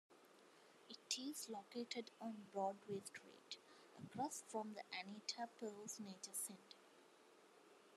It is located on Broadway Street, across from the Anita Purves Nature Center.